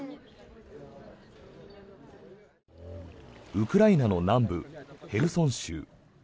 ウクライナの南部ヘルソン州。